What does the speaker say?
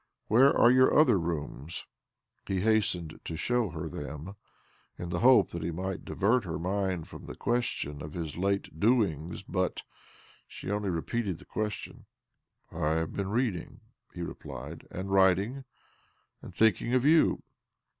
Where are your other rooms? " He hastened to show her them, in the hope that he might divert her mind from the question of his late doings ; but she одіу repeated the question. 222 OBLOMOV ' 1 have been reading," hie replied, " and writing, and thinking! of .you."